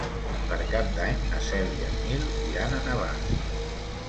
Per Cap d'Any na Cel i en Nil iran a Navàs.